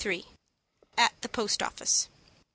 AT THE POST OFFICE.